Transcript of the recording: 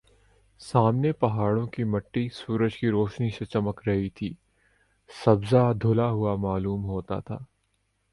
سامنے پہاڑوں کی مٹی سورج کی روشنی سے چمک رہی تھی سبزہ دھلا ہوا معلوم ہوتا تھا